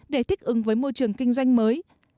để thích ứng với môi trường kinh doanh mới